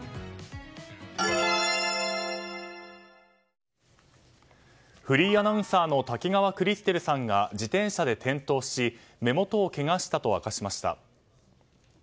新発売フリーアナウンサーの滝川クリステルさんが自転車で転倒し目元をけがしたと明かしました。